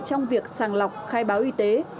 trong việc sàng lọc khai báo y tế